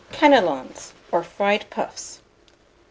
CANNELONS, or FRIED PUFFS.